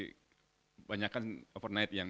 itu banyakkan overnight yang